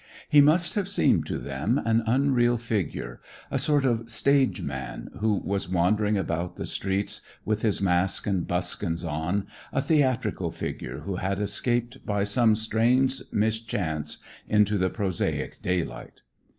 He must have seemed to them an unreal figure, a sort of stage man who was wandering about the streets with his mask and buskins on, a theatrical figure who had escaped by some strange mischance into the prosaic daylight.